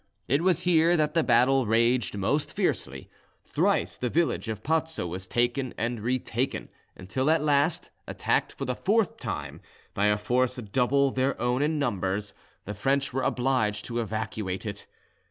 It was here that the battle raged most fiercely: thrice the village of Pozzo was taken and re taken, until at last, attacked for the fourth time by a force double their own in numbers, the French were obliged to evacuate it.